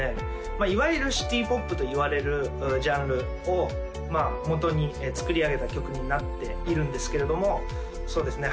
まあいわゆるシティポップといわれるジャンルをもとに作り上げた曲になっているんですけれどもそうですね